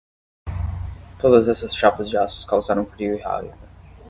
Todas essas chapas de aço causaram frio e raiva.